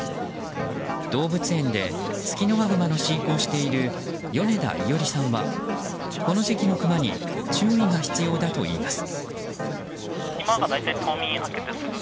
動物園でツキノワグマの飼育をしている米田伊織さんはこの時期のクマに注意が必要だといいます。